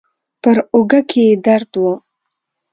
پر اوږه کې يې درد و.